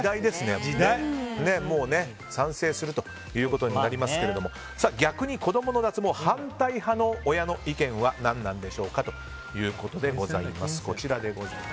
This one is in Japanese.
賛成するということになりますけども逆に、子供の脱毛反対派の親の意見は何なんでしょうかということです。